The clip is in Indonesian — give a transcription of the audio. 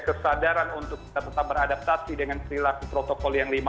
kemandirian keadaran untuk kita tetap beradaptasi dengan perilaku protokol yang lima m